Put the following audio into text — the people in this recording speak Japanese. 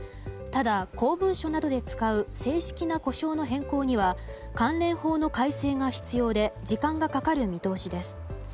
ただ、公文書などで使う正式な呼称の変更には関連法の改正が必要で時間がかかる見通しです。